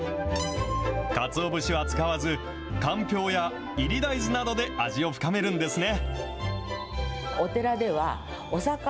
かつお節は使わずかんぴょうやいり大豆などで味を深めるんですね。